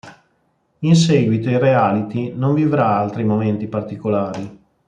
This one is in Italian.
In seguito il reality non vivrà altri momenti particolari.